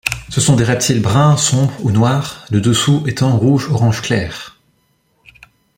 Ce sont des reptiles brun sombre ou noirs, le dessous étant rouge-orange clair.